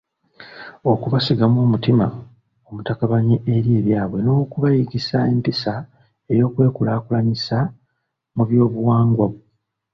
Okubasigamu omutima omutakabanyi eri ebyabwe n’okubayigisa empisa ey’okwekulaakulyanyisa mu byobuwangwa.